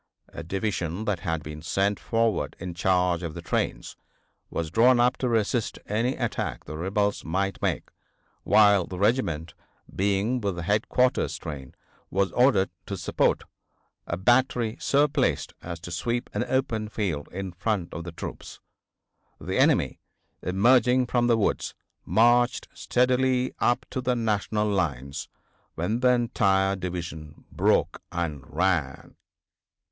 A division that had been sent forward in charge of the trains was drawn up to resist any attack the rebels might make while the regiment, being with the headquarters train, was ordered to support a battery so placed as to sweep an open field in front of the troops. The enemy, emerging from the woods, marched steadily up to the National lines, when the entire division broke and ran."